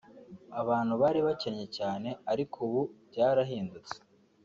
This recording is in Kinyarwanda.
abantu bari bakennye cyane ariko ubu byarahindutse